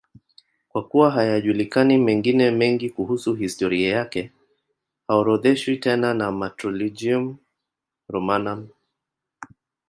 Kwa kuwa hayajulikani mengine mengi kuhusu historia yake, haorodheshwi tena na Martyrologium Romanum.